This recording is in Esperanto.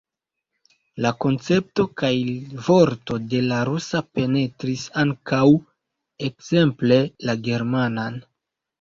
La koncepto kaj vorto de la rusa penetris ankaŭ ekzemple la germanan.